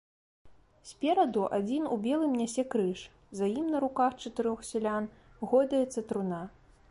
Спераду адзін у белым нясе крыж, за ім на руках чатырох сялян гойдаецца труна.